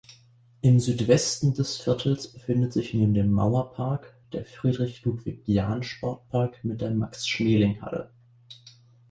Im Südwesten des Viertels befindet sich neben dem Mauerpark der Friedrich-Ludwig-Jahn-Sportpark mit der Max-Schmeling-Halle.